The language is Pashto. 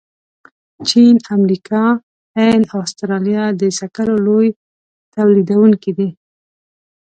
چین، امریکا، هند او استرالیا د سکرو لوی تولیدونکي دي.